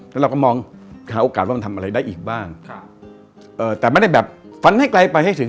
แล้วเราก็มองหาโอกาสว่ามันทำอะไรได้อีกบ้างแต่ไม่ได้แบบฟันให้ไกลไปให้ถึง